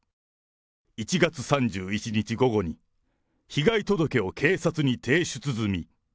１月３１日午後に被害届を警察に提出済み。